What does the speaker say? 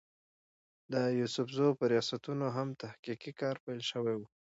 د يوسفزو پۀ رياستونو هم تحقيقي کار پېل کړی وو